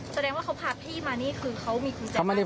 แสดงว่าเขาพาพี่มานี่คือเขามีกุญแจมาเลย